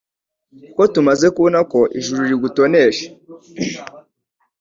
kuko tumaze kubona uko Ijuru rigutonesha